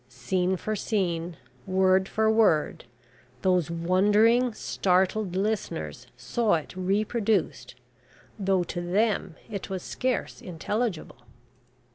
Scene for scene, word for word, those wondering startled listeners saw it reproduced, though to them it was scarce intelligible.